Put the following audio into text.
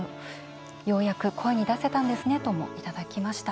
「ようやく声に出せたんですね」とも、いただきました。